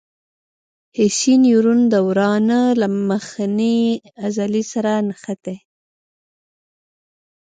حسي نیورون د ورانه له مخنۍ عضلې سره نښتي.